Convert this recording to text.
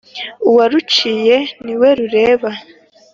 uwâruciye niwe rureba